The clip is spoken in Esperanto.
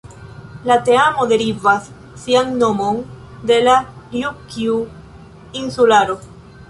La teamo derivas sian nomon de la Rjukju-insularo.